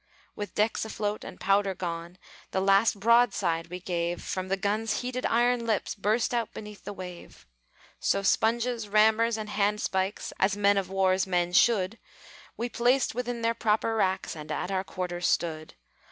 With decks afloat, and powder gone, The last broadside we gave From the guns' heated iron lips Burst out beneath the wave. So sponges, rammers, and handspikes As men of war's men should We placed within their proper racks, And at our quarters stood.